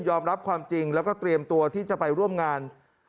รับความจริงแล้วก็เตรียมตัวที่จะไปร่วมงาน